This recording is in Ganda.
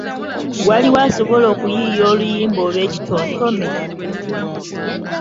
Waliwo asobola okuyiiya oluyimba oba ekitontome?